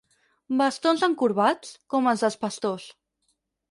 Bastons encorbats, com els dels pastors.